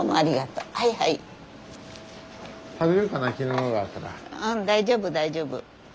うん大丈夫大丈夫。